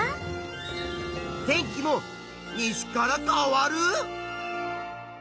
天気も西から変わる！？